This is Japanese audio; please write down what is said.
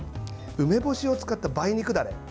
梅干しを使った梅肉ダレ。